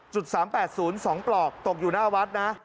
๓๘๐๒ปลอกตกอยู่หน้าวัดนะ